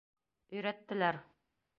Өйрәттеләр.